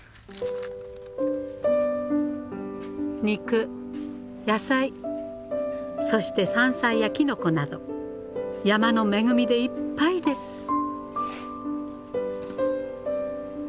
肉野菜そして山菜やきのこなど山の恵みでいっぱいです。